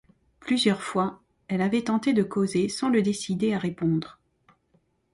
Plusieurs fois, elle avait tenté de causer, sans le décider à répondre.